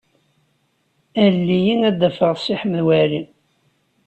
Alel-iyi ad d-afeɣ Si Ḥmed Waɛli.